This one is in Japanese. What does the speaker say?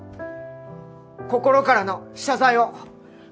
心からの謝罪を。